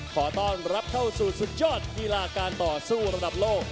ขอต้อนรับเข้าสู่สุดยอดกีฬาการต่อสู้ระดับโลก